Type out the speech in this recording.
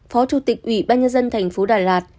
phó chủ tịch ủy ban nhân dân tp đà lạt